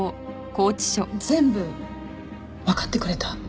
全部わかってくれた？